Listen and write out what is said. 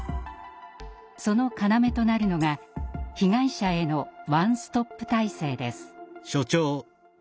その要となるのが被害者へのワンストップ体制です。